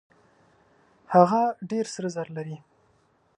هغه ډېر سره زر لري.